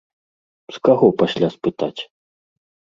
З каго пасля спытаць?